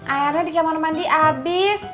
airnya di kamar mandi habis